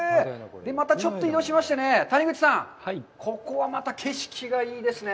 またちょっと移動しましてね、谷口さん、ここはまた、景色がいいですね。